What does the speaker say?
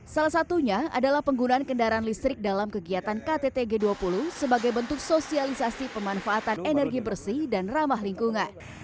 salah satunya adalah penggunaan kendaraan listrik dalam kegiatan ktt g dua puluh sebagai bentuk sosialisasi pemanfaatan energi bersih dan ramah lingkungan